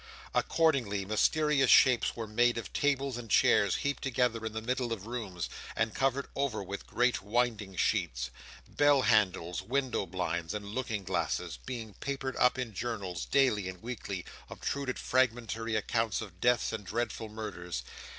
Accordingly, mysterious shapes were made of tables and chairs, heaped together in the middle of rooms, and covered over with great winding sheets. Bell handles, window blinds, and looking glasses, being papered up in journals, daily and weekly, obtruded fragmentary accounts of deaths and dreadful murders.